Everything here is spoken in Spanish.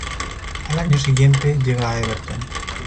Al año siguiente llega a Everton.